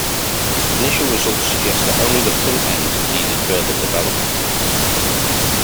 Initial results suggested that only the front end needed further development.